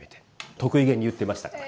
得意げに言ってましたから。